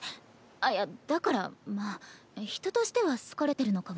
あっいやだからまあ人としては好かれてるのかも。